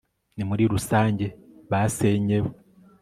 Ni muri rusange basenyewe